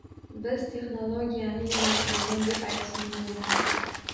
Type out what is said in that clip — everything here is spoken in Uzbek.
Biz texnologiyani yoʻnaltirilgan deb aytishimiz mumkin.